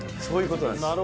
そういうことなんです。